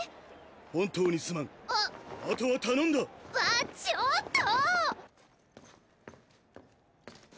本当にすまんあとは頼んだあっあっちょっと！